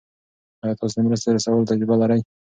آیا تاسو د مرستې رسولو تجربه لرئ؟